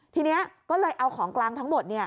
ทีนี้ก็เลยเอาของกลางทั้งหมด